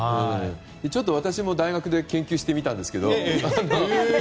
ちょっと私も大学で研究してみたんですけどね。